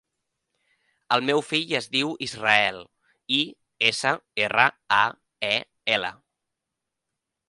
El meu fill es diu Israel: i, essa, erra, a, e, ela.